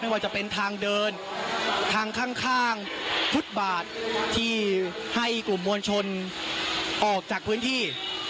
ว่าจะเป็นทางเดินทางข้างฟุตบาทที่ให้กลุ่มมวลชนออกจากพื้นที่